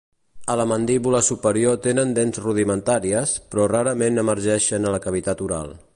A la mandíbula superior tenen dents rudimentàries, però rarament emergeixen a la cavitat oral.